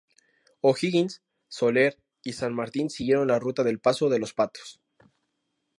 O'Higgins, Soler y San Martín siguieron la ruta del paso de los Patos.